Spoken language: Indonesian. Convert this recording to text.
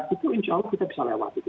itu insya allah kita bisa lewat gitu